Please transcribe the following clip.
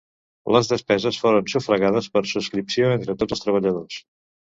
Les despeses foren sufragades per subscripció entre tots els treballadors.